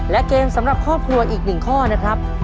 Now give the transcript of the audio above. และเกมสำหรับครอบครัวอีก๑ข้อนะครับ